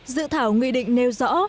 dự thảo nghị định nêu rõ